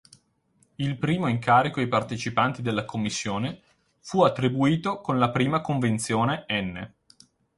Il primo incarico ai partecipanti alla commissione fu attribuito con la prima Convenzione n.